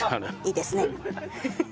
いいですね。